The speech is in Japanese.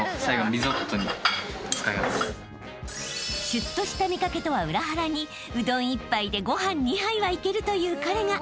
［しゅっとした見掛けとは裏腹にうどん１杯でご飯２杯はいけるという彼が］